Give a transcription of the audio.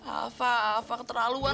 apa apa keterlaluan